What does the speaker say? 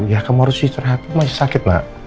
ya kamu harus istirahat masih sakit lah